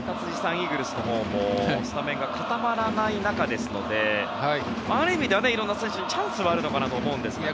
イーグルスのほうもスタメンが固まらない中ですのである意味では色んな選手にチャンスはあると思うんですがね。